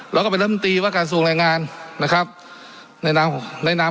แล้วก็เป็นธรรมตีว่าการสูงแรงงานนะครับในน้ำในน้ำ